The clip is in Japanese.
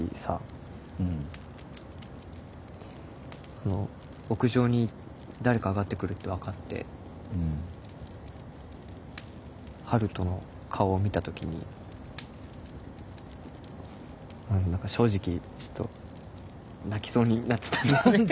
その屋上に誰か上がって来るって分かって春斗の顔を見た時に何だか正直ちょっと泣きそうになってたんだよね。